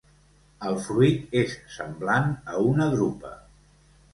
El fruit és semblant a una drupa.